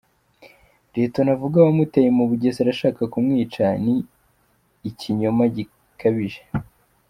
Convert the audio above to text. Lieutenant avuga wamuteye mu Bugesera ashaka kumwica ni ikonyoma gikabije.